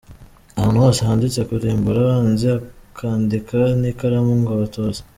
Ahantu hose handitse ‘kurimbura abanzi’ akandika n’ikaramu ngo ‘Abatutsi’.